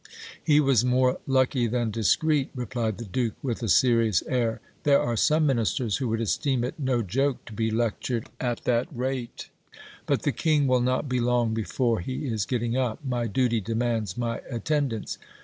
He was more lucky than discreet, replied the duke with a serious air; there are some ministers who would esteem it no joke to be lectured at that rate. But the king will not be long before he is getting up ; my duty demands my attendance.